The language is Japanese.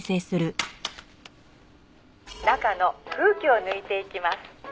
「中の空気を抜いていきます」